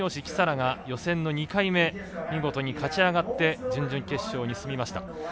輝紗良が予選の２回目見事に勝ち上がって準々決勝に進みました。